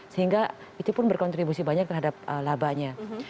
sehingga itu pun berkontribusi banyak terhadap labanya